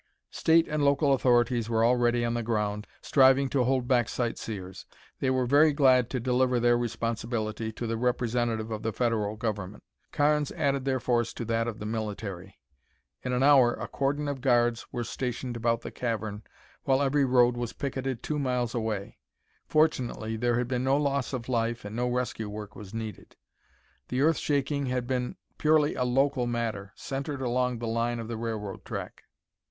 State and local authorities were already on the ground, striving to hold back sightseers. They were very glad to deliver their responsibility to the representative of the federal government. Carnes added their force to that of the military. In an hour a cordon of guards were stationed about the cavern while every road was picketed two miles away. Fortunately there had been no loss of life and no rescue work was needed. The earth shaking had been purely a local matter, centered along the line of the railroad track.